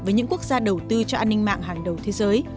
với những quốc gia đầu tư cho an ninh mạng hàng đầu thế giới